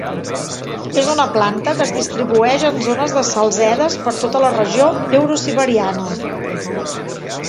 És una planta que es distribueix en zones de salzedes per tota la regió eurosiberiana.